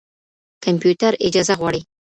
کمپيوټر اجازه غواړي.